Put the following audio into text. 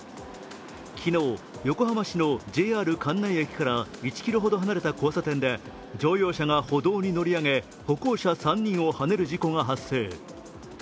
昨日、横浜市のＪＲ関内駅から１ｋｍほど離れた交差点で乗用車が歩道に乗り上げ歩行者３人をはねる事故が発生。